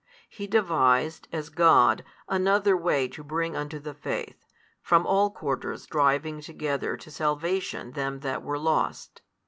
He devised, as God, another way to bring unto the faith, from all quarters driving together to salvation them that were lost.